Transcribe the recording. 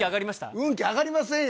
運気上がりませんよ。